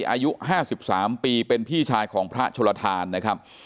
อายุห้าสิบสามปีเป็นพี่ชายของพระชนธานนะครับ